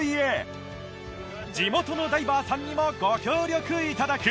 地元のダイバーさんにもご協力頂く